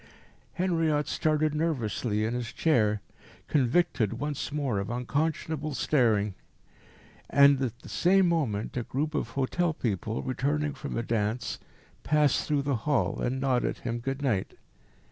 Henriot started nervously in his chair, convicted once more of unconscionable staring; and at the same moment a group of hotel people, returning from a dance, passed through the hall and nodded him good night.